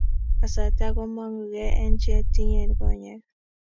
Kasarta komongukei eng che tinyei konyek